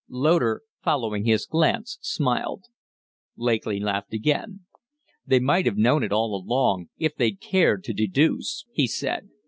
Loder, following his glance, smiled. Lakely laughed again. "They might have known it all along, if they'd cared to deduce," he said.